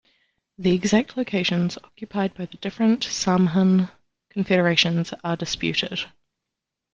The exact locations occupied by the different Samhan confederations are disputed.